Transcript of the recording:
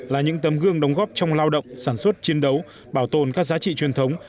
là những tấm gương đóng góp trong lao động sản xuất chiến đấu bảo tồn các giá trị truyền thống